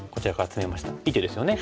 いい手ですよね。